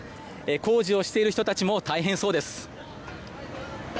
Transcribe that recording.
工事をしている人たちも大変そうです。